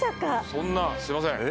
そんなすいません。